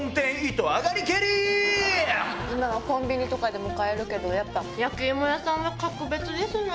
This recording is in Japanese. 今はコンビニとかでも買えるけど、やっぱ焼き芋屋さんは格別ですね。